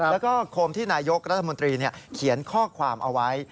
แล้วก็โคมที่นายกรัฐมนตรีเขียนข้อความเอาไว้